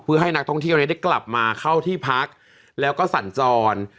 เพื่อให้นักท่องเที่ยวได้กลับมาเข้าที่พักแล้วก็สัญจร